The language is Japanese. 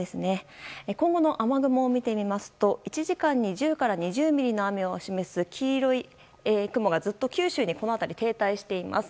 今後の雨雲を見てみますと１時間に１０から２０ミリの雨を示す黄色い雲がずっと九州に停滞しています。